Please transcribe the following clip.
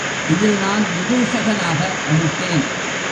இதில் நான் விதூஷகனாக நடித்தேன்.